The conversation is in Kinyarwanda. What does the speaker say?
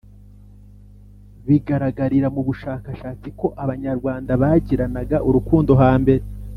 bigaragarira m’ubushakashatsi ko abanyarwanda bagiranaga urukundo hambere